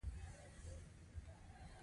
په لومړي پړاو کې پانګه د پیسو په ډول وي